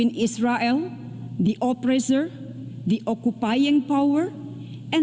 antara israel penyelamat kekuatan yang diperlukan